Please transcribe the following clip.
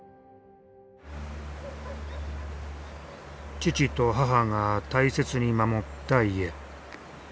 父と母が大切に守った家。